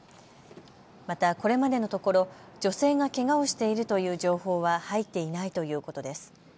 またこれまでのところ女性がけがをしているという情報は入っていないということです。